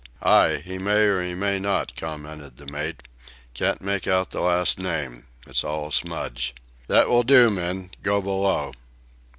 "Ay. He may or he may not," commented the mate, "can't make out that last name. It's all a smudge.... That will do, men. Go below."